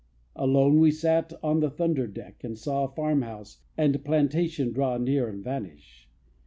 Alone we sat On the under deck, and saw Farm house and plantation draw Near and vanish.